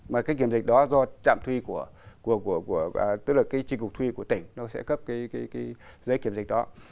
và cái kiểm dịch đó do trạm thuy của tỉnh nó sẽ cấp cái giấy kiểm dịch đó